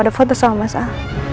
kamu ada foto sama mas al